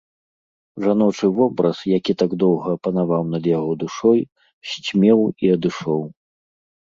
Жаночы вобраз, які так доўга панаваў над яго душой, сцьмеў і адышоў.